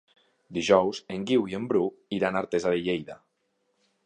Dijous en Guiu i en Bru iran a Artesa de Lleida.